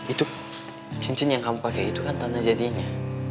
itu cincin yang kamu pakai itu kan tanah jadinya